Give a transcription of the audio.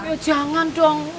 ya jangan dong